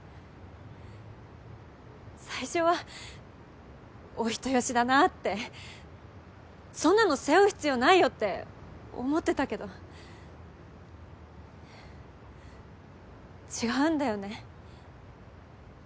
最初はお人よしだなってそんなの背負う必要ないよって思ってたけど違うんだよね。